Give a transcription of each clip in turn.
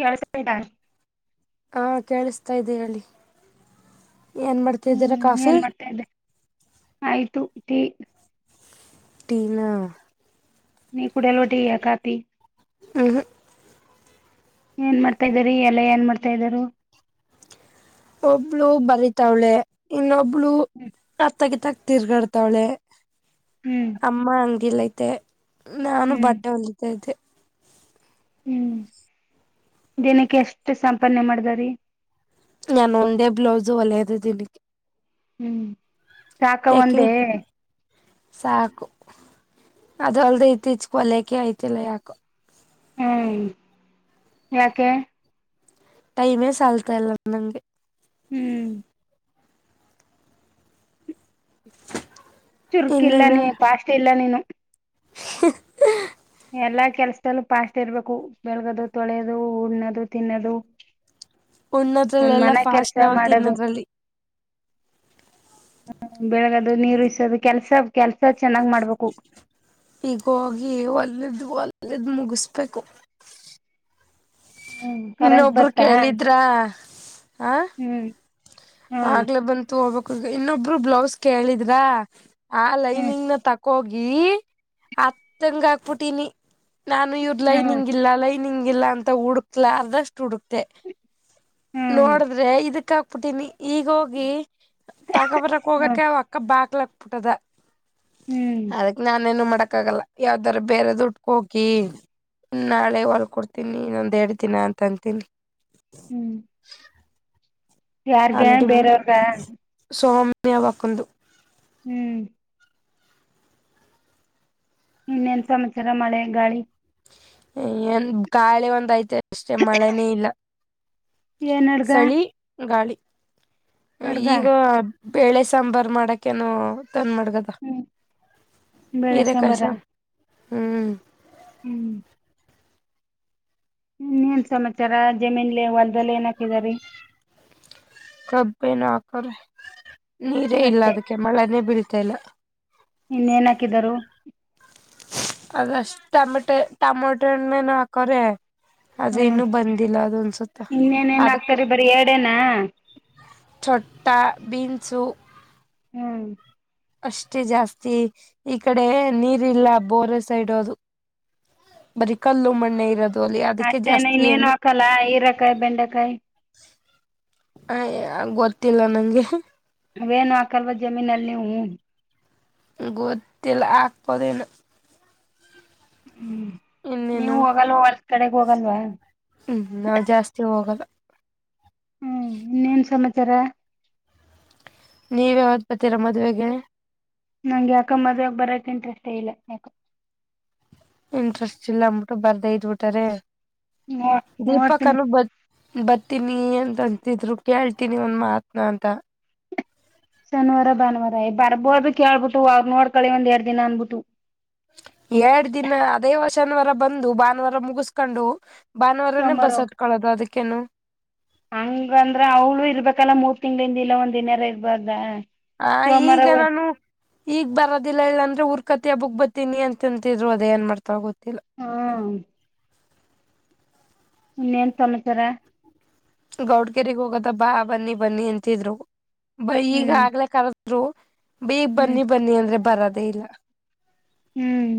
ಕೇಳಸ್ತಾದ ಹಾ ಕೇಳಿಸತಾ ಇದ್ದೀ ಹೇಳಿ ಏನ್ ಮಾಡ್ತಿದ್ದೀರಾ ಹ್ಮ್ ಕಾಫಿ ಏನ್ ಮಾಡ್ತಾ ಇದ್ದೆ ಆಯ್ತು ಟಿ ನಾ ನೀ ಕುಡಲು ಒಟಿ ಯ ಕಾತಿ ಹ ಹ ಏನ್ ಮಾಡ್ತಾ ಇದಾರೆ ಎಲ್ಲ ಏನ್ ಮಾಡ್ತಾ ಇದರು ಒಬ್ಳು ಬರೀತಾವಳೆ ಇನ್ನೊಬ್ಳು ಅ ತಗಿ ತಗ ತಿರ್ಗಾಡ್ತಾವಳೆ ಹ್ಮ್ ಅಮ್ಮ ಅಂಗಡಿಲ್ಲೈತೆ ನಾನು ಹ್ಮ್ ಬಟ್ಟೆ ಹೊಲಿದ್ದತೆ ಹ್ಮಞ ದಿನಕ್ಕೆ ಎಷ್ಟು ಸಂಪಾದನೆ ಮಾಡಿದ ರೀ ನಾನು ಒಂದೇ ಬ್ಲೌಸ್ು ಒಳ್ಳೆಯದು ತಿಲಿಕ್ಕೆ ಹ್ಮ್ ಸಾಕ ಯಾಕೆ ಒಂದೇ [inaudible] ಸಾಕು ಅದ ಅಲ್ದ ಇತ್ತೀಚ್ ಕೊಲಕೆ ಹೋಲಿಯಕ್ಕೆ ಯಾಕು ಹ್ಮ್ ಯಾಕೆ ಟೈಮೇ ಸಲ್ತಾಲ್ಲ ನಂಗೆ ಹ್ಮ್ ಚುರುಕ ಇಲ್ಲ ಇನ್ನೇನು ನೀ ಪಾಸ್ಟ್ ಇಲ್ಲ ನೀನು [inaudible] ಎಲ್ಲಾ ಕೆಲ್ಸದಲ್ಲೂ ಪಫಾಸ್ಟ್ ಇರ್ಬೇಕು ಬೆಳಗದು ತೊಳೆಯೋದು ಉಣ್ಣೋದು ತಿನ್ನೋದು ಹನ್ ಉಣ್ಣೋದ್ರಲ್ಲೆಲ್ಲ ಮನ ಫಾಸ್ಟ್ ಕೆಲ್ಸ ನಾವು ಮಾಡದು ತಿನ್ನೋದ್ರಲ್ಲಿ ಹ ಬೆಳಗದು ನೀರು ಇಸೋದು ಕೆಲ್ಸ ಕೆಲ್ಸ ಚೆನ್ನಾಗ್ ಮಾಡ್ಬೇಕು ಈಗ ಹೋಗಿ ಒಳ್ಳದ್ ಒಳ್ಳದ್ ಮುಗಿಸ್ಬೇಕು ಹ್ಮ್ ಕರೆಂಟ್ ಇನ್ನೊಬ್ರು ಬರ್ತಾ ಕೇಳಿದ್ರ ಹ ಹ್ಮ್ ಹ್ಮ್ ಆಗ್ಲೇ ಬಂತು ಹೋಗ್ಬೇಕಕ್ ಇನ್ನೊಬ್ರು ಬ್ಲೌಸ್ ಕೇಳಿದ್ರ ಆ ಹ್ಮ್ ಲೈನಿಂಗ್ ನ ತ ಹೋಗಿ ಅತ್ತಂಗ ಹಾಕ್ಬಿಟ್ಟೀಿನಿ ನಾನು ಇರ್ ಲೈ ಹ್ಮ್ ನಿಂಗ ಇಿಲ್ಲ ಲೈ ನಿಂಗ ಇಿಲ್ಲ ಅಂತ ಹುಡುಕ್ಲ ಅದಷ್ಟು ಹುಡುಕ್ತೆ ಹ್ಮ್ ನೋಡಿದ್ರೆ ಇದಕ್ಕ ಹಾಕ್ಬಿಟ್ಟೀಿನಿ ಈಗ ಹೋಗಿ ತಕಬರಕ್ ಹ್ಮ್ ಹೋಗಕ್ಕೆ ಅಕ್ಕ ಬಾಕ್ಲಾಕ್ಬಿಟ್ಟದ ಹ್ಮ್ ಅದಕ್ ನಾನೇನು ಮಾಡಕ್ ಆಗಲ್ಲ ಯಾವ್ದಾರ ಬೇರೆ ದುಡ್ಕ ಹಕಿ ನಾಳೆ ಹೊಲ್ಕ ಕೊಡ್ತೀನಿ ಇನ್ನೊಂದ್ ಎರಡು ದಿನ ಅಂತ ಅಂತೀನಿ ಹ್ಮ ಯಾರ್ಗೆ ಬೇರೆಯವ್ರಿಗೆ ಸೌಮ್ಯಅವಕಂದು ಹ್ಮ್ ಇನ್ನೇನ್ ಸಮಾಚಾರ ಮಳೆ ಗಾಳಿ ಏನ್ ಗಾಳೆ ಒಂದ ಐತೇ ಅಷ್ಟೆ ಮಳೆನೇ ಇಲ್ಲ ಏನ್ ಅಡ್ಗ ಚಳಿ ಗಾಳಿ ಅಡ್ಗ ಈಗ ಬೇಳೆ ಸಾಂಬರ್ ಮಾಡಕೇನೋ ತಂದ ಮಡ [unintelligible] ಹ್ಮ್ ಬೆಳೆ ಇರೆಕಾಯಿ ಸಾಂಬಾರ ಸಾರು ಹ್ಮ್ ಹ್ಮ್ ಇನ್ ಏನ್ ಸಮಾಚಾರ ಜಮೀನ್ಲಿ ಹೊಲ್ದಲ್ಲಿ ಏನ ಹಾಕಿದರಿ ಕಬ್ಬೇನು ಹಾಕವ್ರೆ ನೀರೇ ಇಲ್ಲ ಅಷ್ಟೇ ಅದಕ್ಕೆ ಮಳೆನೇ ಬೀಳ್ತ ಇಲ್ಲ ಇನ್ನ ಏನ್ ಹಾಕಿದರೋ ಅದಷ್ಟ ಟಮಟ ಟಮೊಟೊ ಇನ್ ಏನೋ ಹಾಕರೆ ಅದು ಹ್ಮ್ ಇನ್ನು ಬಂದಿಲ್ಲ ಅದು ಅನ್ಸುತ್ತೆ ಇನ್ನೇನೇನ್ ಅದಕ್ಕೂ ಹಾಕ್ತಾರಿ ಬರೀ ಎರಡೇನಾ ಚೊಟ್ಟ ಬೀನ್ಸು ಹ್ಮ್ ಅಷ್ಟೇ ಜಾಸ್ತಿ ಈ ಕಡೆ ನೀರಿಲ್ಲ ಬೋರೆ ಸೈಡ್ ಅದು ಬರೀ ಕಲ್ಲು ಮಣ್ಣೆ ಇರೋದು ಅಲ್ಲಿ ಅದಕ್ಕೆ ಅಷ್ಟೇನ ಜಾಸ್ತಿ ಇನ್ನೇನು ಏನು ಹಾಕಲ್ಲ ಹೀರಕಾಯಿ ಬೆಂಡೆಕಾಯಿ ಹಯ್ಯ ಗೊತ್ತಿಲ್ಲ ನಂಗೆ ಅವೇನು ಹಾಕಲ್ವ ಜಮೀನಲ್ಲಿ ನೀವು ಗೋತಿಲ್ಲ ಆಕ್ಬೋದೆನೊ ಹ್ಮ್ ನೀವು ಇನ್ನೇನು ಹೋಗಲ್ವ ವರ್ಕ್ ಕಡೆಗೆ ಹೋಗಲ್ವಾ ಹ್ಮ್ ಹ್ಮ್ ನಾವ್ ಜಾಸ್ತಿ ಹೋಗಲ್ಲ ಹ್ಮ್ ಇನ್ನೇನ್ ಸಮಾಚಾರ ನೀವ್ ಯಾವತ್ ಬತೀರಾ ಮದುವೆಗೆ ನಂಗ್ ಯಾಕ ಮದ್ವೆಗ ಬರಕ್ ಇಂಟ್ರೆಸ್ಟ್ ಇಲ್ಲ ಯಾಕ ಇಂಟ್ರೆಸ್ಟ್ ಇಲ್ಲ ಅನ್ಬಿಟ್ಟು ಬರ್ದ ಇದಬಿಟರೆ ನೋ ನೋಡ್ತೀನಿ ದೀಪಕನು ಬತೀನಿ ಅಂತ ಅಂತಿದ್ರು ಕೇಳ್ತೀನಿ ಒಂದ್ ಮಾತನ ಅಂತ ಶನಿವಾರ ಭಾನುವಾರ ಬರ್ಬೋರ್ ಕೇಳ್ಬಿಟ್ಟು ಅವ್ರ ನೋಡ್ಕಳಿ ಒಂದ ಎರಡ್ ದಿನ ಅನ್ಬಿಟ್ಟು ಎರಡ್ ದಿನ ಅದೇವ ಶನಿವಾರ ಬಂದು ಭಾನುವಾರ ಮುಗಸ್ಕೊಂಡು ಭಾನುವಾರನೇ ಸೋಮವಾರ ಬಸ್ ಹತ್ಕೊಳ್ಳೋದು ಅದಕ್ಕೇನು ಹಂಗ ಅಂದ್ರ ಅವಳು ಇರ್ಬೇಕಲ್ಲ ಮೂರು ತಿಂಗ್ಳಿಂದ ಇಲ್ಲ ಒಂದ ದಿನಾರ ಇರ್ಬಾರ ಆ ಈಗ ನಾನು ಈಗ್ ಬರೋದಿಲ್ಲ ಇಲ್ಲಾಂದ್ರೆ ಉರ್ಕೊತಿಯ ಹಬ್ಬುಕ್ಕ ಬರ್ತೀನಿ ಅಂತಿದ್ರು ಅದೇ ಏನ್ ಮಾಡ್ತಾರೋ ಗೊತ್ತಿಲ್ಲ ಹಾ ಇನ್ನೇನ್ ಸಮಾಚಾರ ಗೌಡ್ಗೆರೆಗ್ ಹೋಗೋದ ಬಾ ಬನ್ನಿ ಬನ್ನಿ ಅಂತಿದ್ರು ಬ ಈಗ ಹ್ಮ್ ಆಗಲ್ಲ [unintelligible] ಬೇಗ್ ಹ್ಮ್ ಬನ್ನಿ ಬನ್ನಿ ಅಂದ್ರೆ ಬರದೇ ಇಲ್ಲ ಹ್ಮ್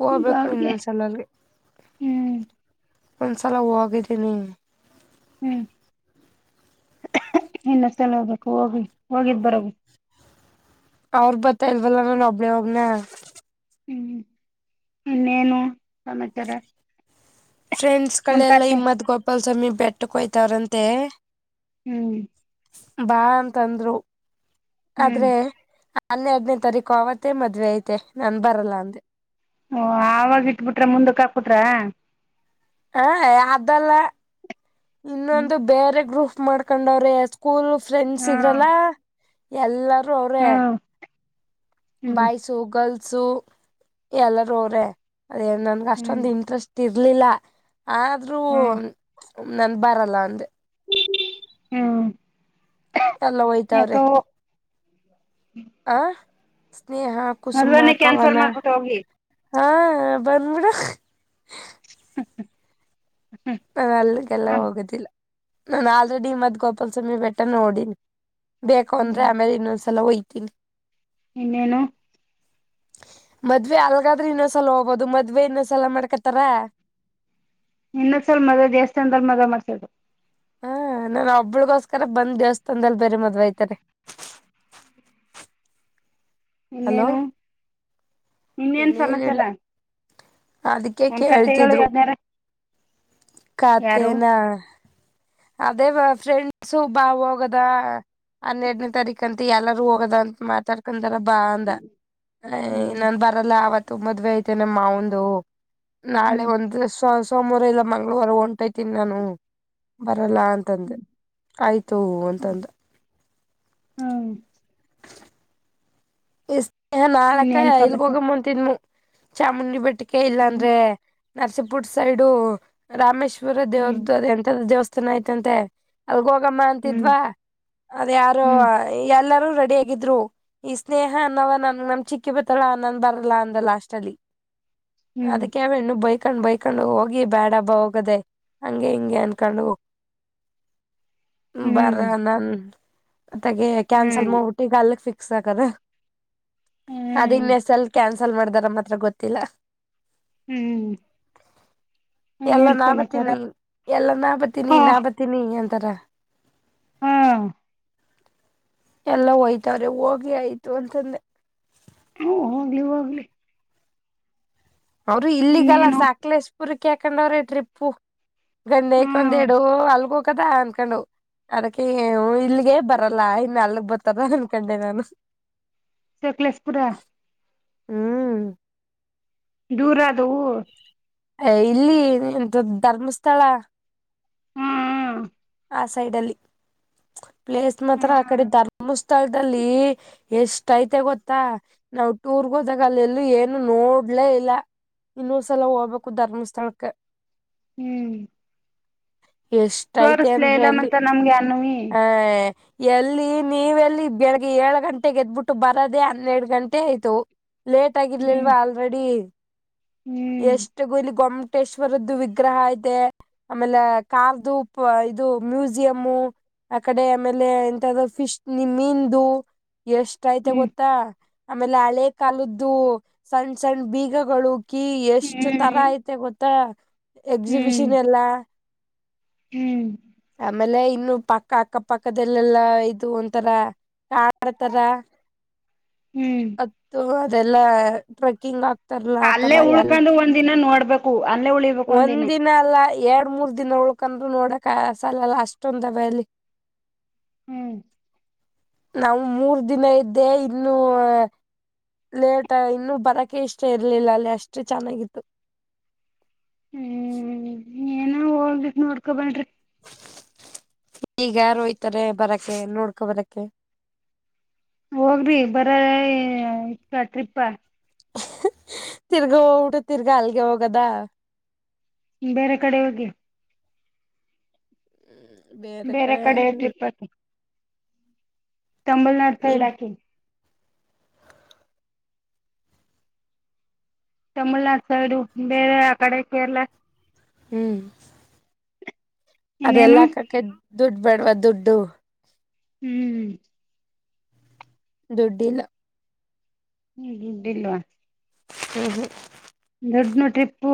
ಹೋಗ್ಬೇಕು ಗೌಡ್ಗೆ ಇನ್ನೊಂದ್ಸಲ ಅಲ್ಲಿ ಹ್ಮ್ ಒಂದ್ಸಲ ಹೋಗಿದ್ದೀನಿ ಹ್ಮ್ ಏನ್ ಅಷ್ಟೆಲ್ಲಾ ಹೋಗ್ಬೇಕ ಹೋಗಿ ಹೋಗಿದ್ ಬರೋಗು ಅವ್ರು ಬರ್ತಾ ಇದ್ವಲ್ಲ ನಾನ ಒಬ್ಬಳೆ ಹೋಗ್ನ ಹ್ಮ್ ಇನ್ನೇನು ಸಮಾಚಾರ ಫ್ರೆಂಡ್ಸ್ ಉನ್ ಗಳೆಲ್ಲಾ ಕತೆ ಇಮ್ಮತ್ ಗೋಪಾಲ ಸ್ವಾಮಿ ಬೆಟ್ಟಕ್ ಹೋಯ್ತಾರಂತೆ ಹ್ಮ್ ಬಾ ಅಂತಂದ್ರು ಹ್ಮ್ ಆದ್ರೆ ಹನ್ನೆರಡನೇ ತಾರೀಕು ಅವತ್ತೇ ಮದ್ವೆ ಐತೆ ನನಾ ಬರಲ್ಲ ಅಂದೆ ಓಹ ಆವಾಗ ಇಟ್ಬಿಟ್ರೆ ಮುಂದಕ್ಕೆ ಹಾಕಿಬಿಟ್ರ. ಹ ಅದಲ್ಲ ಇನ್ನೊಂದು ಬೇರೆ ಗ್ರೂಪ್ ಮಾಡ್ಕೊಂಡವರೆ ಸ್ಕೂಲ್ ಫ್ರೆಂಡ್ಸ್ ಹಾ ಇದ್ರಲ್ಲ ಎಲ್ಲಾರೂ ಅವರೆ. ಹ್ಮ್ ಹ್ಮ್ ಬಾಯ್ಸು ಗರ್ಲ್ಸು ಎಲ್ಲರೂ ಅವ್ರೇ ನನ್ಗೆ ಅಷ್ಟೊಂದ ಹ್ಮ್ ಇಂಟ್ರೆಸ್ಟ್ ತಿರ್ಲಿಲ್ಲ ಆದ್ರೂ ಹ್ಮ್ ನನ್ ಬರಲ್ಲಾ ಅಂದೆ ಹ್ಮ ಎಲ್ಲ ಹೋಯ್ತಾವ್ರೆ ಆ ಸ್ನೇಹ ಕುಸುಮ್ಮ ಮದ್ವೆನೆ ಕ್ಯಾನ್ಸಲ್ ಕವನ ಮಾಡ್ಬಿಟ್ಟು ಹೋಗಿ ಹಾ ಬಂದ್ಬಿಡ. ಹ್ಮ್ ಹ್ಮ್ ಅಲ್ಲಿಗೆಲ್ಲ ಹೋಗದಿಲ್ಲ ನಾನು ಆಲ್ರೆಡಿ ಮತ್್ ಗೋಪಾಲಸ್ವಾಮಿ ಬೆಟ್ಟ ನೋಡಿನಿ. ಬೇಕು ಅಂದ್ರೆ ಹ್ಮ್ ಆಮೇಲೆ ಇನ್ನೊಂದ್ಸಲ ಒಯ್ತೀನಿ ಇನ್ನೇನು. ಮದ್ವೆ ಅಲ್ಗಾದ್ರೆ ಇನ್ನೊ್ಸಲ ಹೋಗಬಹದು ಮದ್ವೆ ಇನ್ನೊಸಲ ಮಾಡ್ಕತಾರ. ಇನ್ನೊಂದ್ಸಲ್ ಮದವೇ ದೇವಸ್ಥಾನದಲ್ಲಿ ಮದವೇ ಮಾಡ್ಸಿದಿರು ಹಾ ನಾನ ಒಬ್ಬಳಿಗೋಸ್ಕರ ಬಂದ್ ದೇವಸ್ಥಾನದಲ್ಲಿ ಬೇರೆ ಮದ್ವೆ ಆಐತಾರೆ ಅಲೋ ಇನ್ನೇನು. ಇನ್ನೇನ್ ಸಮಾಚಾರ ಇನ್ನೇನಿಲ್ಲ ಅದಕ್ಕೆ ಒಂದ್ ಕಥೆಗಳು ಕೇಳ್ತಿದ್ರು ಯಾವ್ದಾರ ಯಾರು ಖತೇನಾ ಅದೇ ಫ್ರೆಂಡ್ಸು ಬಾ ಹೋಗದಾ. ಹನ್ನೆರಡನೇ ತಾರೀಕ ಅಂತ ಎಲ್ಲಾರೂ ಹೋಗದಂತ ಮಾತಾಡ್ಕಂತಾರ ಬಾ ಅಂದ ಅ ಹ್ಮ್ ಅ ಬಾ ಅಲ್ಲಾ ತುಂಬದ್ುವೆ ಐತೆ ನಮ್ಮ ಒಂದು ನಾಳೆ ಹ್ಮ್ ಒ [unintelligible] ಸೋಮವಾರ ಇಲ್ಲ ಮಂಗಳವಾರ ಹೊಂಟೈತೀನಿ ನಾನು. ಬರಲ್ಲ ಅಂತಂದೆ ಆಯ್ತು ಅಂತಂದೆ. ಹ್ಮ ಇ ನಾಳಕ್ಕ ಇನ್ನೇನ್ ಇಲ್ಗ ಸಮಸ್ಯೆ ಹೋಗಂಬಂತನ್ ಚಾಮುಂಡಿ ಬೆಟ್ಟಿಕ ಹ್ಮ್ ಇಲ್ಲಾಂದ್ರೆ ನರಸಿಪುರ್ ಸೈಡು ರಾಮೇಶ್ವರ ಹ್ಮ್ ದೇವ್ರ್ದು ಅದ ಎಂತದು ದೇವಸ್ಥಾನ ಐತಂತೆ. ಅಲ್ಗೋಗಮ್ಮ ಹ್ಮ್ ಅಂತಿದ್ವಾ ಅದ ಯಾರು ಹ್ಮ್ ಎಲ್ಲಾರೂ ರೆಡಿ ಆಗಿದ್ರು ಈ ಸ್ನೇಹ ಅನ್ನವ ನನ್ ನಮ್ ಚಿಕ್ಕಿ ಬಿತ್ತಳ ಅ ನಾನನ್ ಬರಲ್ಲ ಅಂದ ಲಾಸ್ಟ್ ಅಲ್ಲಿ. ಹ್ಮ್ ಅದಕ್ಕೆ್ಣು ಬಯ ಇಕೊಂಡ್ ಬೈಕೊಂಡ ಹೋಗಿ ಬ್ಯಾಡ ಹಬ್ಬ ಹೋಗದೆ ಹಂಗೆ ಹಿಂಗೆ ಅನ್ಕೊಂಡು. [inaudible] ಬರ ಹ್ಮ್ ನನ್ ತಗಿ ಕ್ಯಾನ್ಸಲ್ ಹ್ಮ್ ಮಾಡ್ಬಿಟ್ಟಿ ಈಗ ಅಲ್ಲೆ ಫಿಕ್ಸ್ ಆಗದ. ಅದ ಹ್ಮ್ ಇನ್ನ ಎಸ್ ಎಲ್ ಕ.. [unintelligible] ಸಲ್ ಮಾಡಿದಾರ ಮಾತ್ರ ಗೊತ್ತಿಲ್ಲ. ಹ್ಮ್ ಎಲ್ಲಾ ಇನ್ನೇನ್ ನಾ ಸಮಾಚಾರ ಬತೀನಿ ಎಲ್ಲ ನಾ ಬರ್ತೀನಿ ಹ ನಾ ಬತೀನಿ ಎಂತಾರ. ಹ್ಮ್ ಎಲ್ಲ ಹೋಯ್ತವ್ರ ಹೋಗಿ ಆಯ್ತು ಅಂತಂದೆ. ಹ್ಮ್ ಹೋಗ್ಲಿ ಹೋಗ್ಲಿ. ಅವ್ರರು ಇಲ್ಲಿಗಲ್ಲ ಇನ್ನೇನು ಸಾಕಲೇಶ್ಪುರಕ್ಕೆ ಹಾಕೊಂಡವ್ರೆ ಟ್ರಿಪ್ಪು. ಗಂಡಕ್ ಹ್ಮ್ ಒಂದೆಡು ಅಲ್ಗ ಹೋಗದ ಅನ್ನುಕೊಂಡುವು. ಅದಕ್ಕೆ ಹ್ಮ್ ಇಲ್ಲಿಗೆ ಬರಲ್ಲ ಇನ್ನು ಅಲ್ಗ್ ಬರತರ ಅನ್ಕೊಂಡೆ ನಾನು. ಸಕ್ಲೇಶ ಪುರ. ಹ್ಮ್... ದೂರ ಅದು. ಎ ಇಲ್ಲಿ ಧ [unintelligible] ಧರ್ಮಸ್ಥಳ. ಹು ಹು ಆ ಸೈಡ್ ಅಲ್ಲಿ ಪ್ಲೇಸ್ ಮಾತ್ರ ಆ ಕಡೆ ಹ್ಮ್ ಧರ್ಮಸ್ ಸ್ಥಳದಲ್ಲಿ ಎಷ್ಟ ಐತೆ ಗೊತ್ತಾ. ನಾವ್ ಟೂರ್ಗ ಹೋದಾಗ ಅಲ್ಲ ಎಲ್ಲೂ ಏನು ನೋಡ್ಲೇ ಇಲ್ಲ. ಇನ್ನೊಂದ್ಸಲ ಹೋಗ್ಬೇಕು ಧರ್ಮಸ್ಥಳಕ್ಕೆ. ಹ್ಮ್ ಎಷ್ಟ ಐತ್ [unintelligible] ಮತ್ತೆ ನಮ್ಗೆ ಅನ್ವಿ. ಎ [unintelligible] ಎಲ್ಲಿ ನೀವೆಲ್ಲಿ ಬೆಳಿಗ್ಗೆ ಏಳ ಗಂಟೆಗೆ ಗೆದ್ಬಿಟ್ಟು ಬರೋದೆೇ ಹನ್ನೆರಡು ಗಂಟೆ ಆಯ್ತು. ಲೇಟ್ ಹ್ಮ್ ಆಗಿರ್ಲಿಲ್ವಾ ಆಲ್ರೆಡಿ. ಹ್ಮ್ [inaudible] ಎಷ್ಟ ಗು ಇಲಿ ಗೊಮಟೇಶ್ವರದ್ದು ವಿಗ್ರಹ ಅಯ್ತೆ. ಆಮೇಲೆ ಕಾಂತು ಉಪ್ ಇದು ಮ್ಯೂಸಿಯಮ್ಮು ಆ ಕಡೆ ಆಮೇಲೆ ಎಂತದು ಫಿಶ್ ನಿಮ್ಮಿಂದು ಎಷ್ಟ ಐತೆ ಹ್ಮ್ ಗೊತ್ತಾ. ಆಮೇಲೆ ಹಳೆ ಕಾಲದ್ದು ಸಣ್ಣ್ ಸಣ್ಣ್ ಬೀಗಗಳು ಕೀ ಎಷ್ಟ್ ತರ ಹ್ಮ್ ಐತೆ ಗೊತ್ ತ್ತ ಹ್ಮ್ ಎಕ್ಸಿಬಿಷನ್ ಎಲ್ಲ. ಹ್ಮ್ ಆಮೇಲೆ ಇನ್ನು ಪಕ್ಕ ಅಕ್ಕ ಪಕ್ಕದಲ್ಲೆಲ್ಲಾ ಇದು ಒಂತರ ಕಾಡ್ತಾರ. ಹ್ಮ್ [unintelligible] ಅದೆಲ್ಲ ಟ್ರೆಕಿಂಗ್ ಆ ಅಲ್ಲೇ ಉಳ್ಕೊಂಡು ಒಂದಿನ ನೋಡ್ಬೇಕು ಅಲ್ಲೇ [unintelligible] ಒಂದ್ ದಿನ ಅಲ್ಲ ಎರಡ್ ಮೂರ್ ದಿನ ಉಳ್ಕಂದರು ನೋಡಕ್ ಆ ಸಲ ಅಲ್ಲ ಅಷ್ಟೊಂದ ಅವೆ ಅಲ್ಲಿ. ಹ್ಮ್ ನಾವ್ ಮೂರ್ ದಿನ ಇದ್ದೆ ಇನ್ನೂ ಲೇಟ್ ಅ ಇನ್ನು ಬರಕೆ ಇಷ್ಟ ಇರ್ಲಿಲ್ಲ ಅಲ್ಲಿ ಅಷ್ಟು ಚೆನ್ನಾಗಿತ್ತು. ಹ್ಮ್ ಏನೋ ಹೋಗಿ ನೋಡ್ಕೊನ ಬನ್ರೀ. ಈಗ ಯಾರೋಯ್ತಾರೆ ಬರಕ್ಕೆೆ ನೋಡ್ಕೊ ಬರಕ್ಕೆೆ. ಹೋಗ್ರಿ ಬರ [unintelligible] ಇಕ್ಕ ಟ್ರಿಪ್ಪ. ತಿರ್ಗಿ ಹೋದ್ರೆ ತಿರ್ಗಾ ಅಲ್ಗೆ ಹೋಗದಾ. ಬೇರೆ ಕಡೆ. ಬೇರೆ ಕಡೆ ಟ್ರಿಪ್. ತಮಿಳುನಾಡು ಸೈಡ್ ಹ್ಮ್ ಹಾಕಿ. ತಮಿಳ್ನಾಡ ಸೈಡು ಬೇರೆ ಆ ಕಡೆ ಕೇರಳ. ಹ್ಮ್ ಅದೆಲ್ಲ ಇನ್ನೇನು ಹಾಕ್ಕಕ್ಕೆ ದುಡ್ ಬೇಡವಾ ದುಡ್ಡು. ಹ್ಮ್ ದುಡ್ಡಿಲ್ಲ. ದುಡ್ಡ ಇಲ್ವಾ. ಹುಹು. ದೊಡ್ನು ಟ್ರಿಪ್ಪು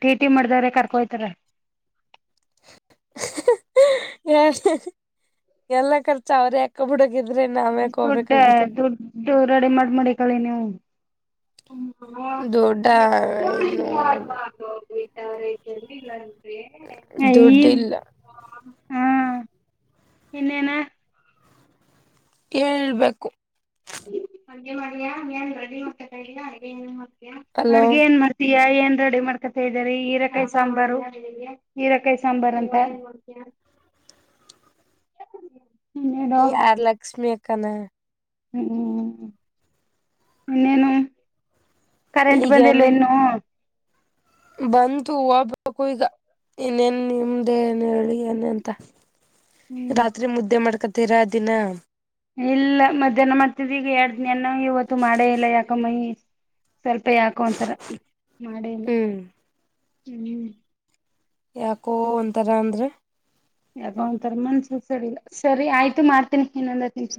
ಟೀ ಟಿ ಮಾಡಿದ್ರೆ ಕರ್ಕೊಯ್ತಾರ. ಹ [unintelligible] ಎಲ್ಲ ಖರ್ಚ ಅವ್ರದೆ. ಕಬ್ಬುಡಕ ಇದ್ರೆ ನಾವ ಯಾಕ್ ಹೋಗ್ಬೇಕಾಗಿತ್ತು. ಇದು ರೆಡಿ ಮಾಡಿ ಮಾಡ ಕಳಿ ನೀವು ದುಡ್ಡ [inaudible] ಏನು ಐ ದುಡ್ಡಿಲ್ಲ ಹಾ ಇನ್ನೇನ ಹೇಳ್ಬೇಕು ಅಡ್ ಮಾಡಯ ಏನ್ ರೆಡಿ ಮಾಡತತ ಅ ಏನ್ ಮಾಡ್ತಯ ಅಲೋ ಅಡ್ಗೆ ಏನ್ ಮಾಡ್ ಯ ಏನ್ ರೆಡಿ ಮಾಡ್ಕೊತ ಇದರಿ ಈರಕಾಯಿ ಸಾಂಬಾರು ಹೀರಕಾಯಿ ಸಾಂಬಾರ್ ಅಂತ [unintelligible] ಯಾರ ಲಕ್ಷ್ಮಿಯಕ ಹ್ಮ್ ಇನ್ನೇನು ಕರೆಂಟ್ ಬಂದಿಲ್ಲ ಈಗೇನು ಇನ್ನು ಬಂತು ಹೂಬೇಕು ಈಗ ಇನ್ನೇನ್ ನಿಮ್ದೇ ಏನ್ ಹೇಳಿ ಏನಂತ ಹ್ಮ್ ರಾತ್ರಿ ಮುದ್ದೆ ಮಾಡ್ಕತೀರಾ ದಿನ ಇಲ್ಲ ಮಧ್ಯಾಹ್ನ ಮಾಡ್ತಿದ್ ಈಗ ಎರಡ್ ದಿನಾನ ಇವತ್ತು ಮಾಡೇ ಇಲ್ಲ ಯಾಕಮ್ಮೈ ಸ್ವಲ್ಪ ಯಾಕೋ ಒಂತರ ಮಾಡೇಲ್ಲ ಹ್ಮ್ ಹ್ಮ್ ಯಾಕೋ ಒಂತರ ಅಂದ್ರೆ ಯ ಒಂತರ ಮನ್ಸಲ್ ಸಲ್ಲ ಸರಿ ಆಯ್ತು ಮಾಡ್ತೀನಿ ಏನಂದ